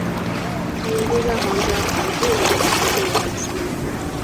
他们住在皇家坦布里奇韦尔斯。